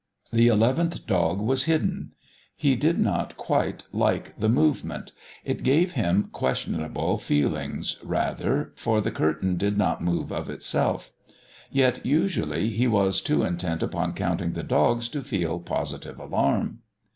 The eleventh dog was hidden. He did not quite like the movement; it gave him questionable feelings, rather, for the curtain did not move of itself. Yet, usually, he was too intent upon counting the dogs to feel positive alarm.